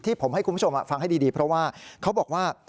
ผมให้คุณผู้ชมฟังให้ดีเพราะว่าเขาบอกว่า